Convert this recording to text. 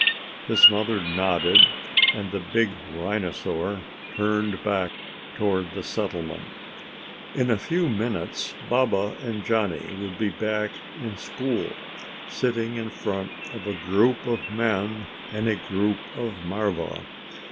His mother nodded and the big rhinosaur turned back toward the settlement. In a few minutes Baba and Johnny would be back in school, sitting in front of a group of men and a group of marva.